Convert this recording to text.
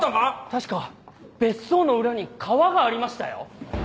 ⁉確か別荘の裏に川がありましたよ！